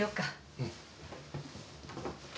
うん。